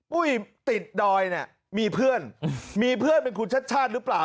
ปุ้ยติดดอยเนี่ยมีเพื่อนมีเพื่อนเป็นคุณชัดชาติหรือเปล่า